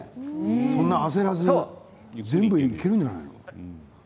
そんなに焦らず全部いけるんじゃない？